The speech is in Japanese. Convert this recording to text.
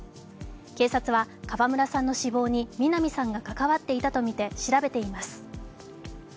警察は川村さんの死亡に南さんが関わっていたとみて調べています。